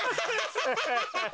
ハハハハ。